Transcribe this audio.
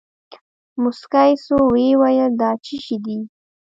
موسکى سو ويې ويل دا چي شې دي.